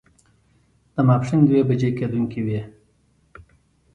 د ماسپښين دوه بجې کېدونکې وې.